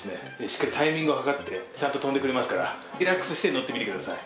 しっかりタイミングを計ってちゃんと跳んでくれますからリラックスして乗ってみてください。